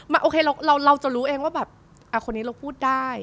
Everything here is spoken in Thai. โอเคเราจะรู้เองว่าแบบคนนี้เราพูดได้